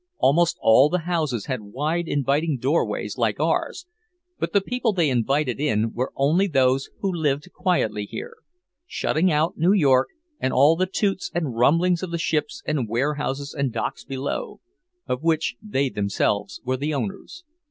Almost all the houses had wide, inviting doorways like ours, but the people they invited in were only those who lived quietly here, shutting out New York and all the toots and rumblings of the ships and warehouses and docks below, of which they themselves were the owners.